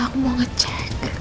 aku mau ngecek